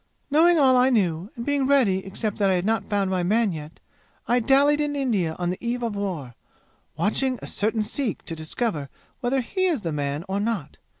"Knowing all I knew, and being ready except that I had not found my man yet, I dallied in India on the eve of war, watching a certain Sikh to discover whether he is the man or not.